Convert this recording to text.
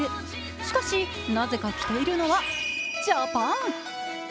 しかし、なぜか着ているのはＪＡＰＡＮ。